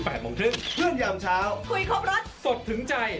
เพื่อนยามเช้าคุยครบรสสดถึงใจ